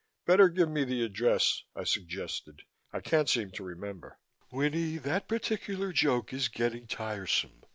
"Better give me the address," I suggested. "I can't seem to remember." "Winnie, that particular joke is getting tiresome.